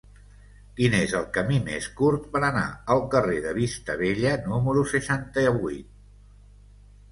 Quin és el camí més curt per anar al carrer de Vista Bella número seixanta-vuit?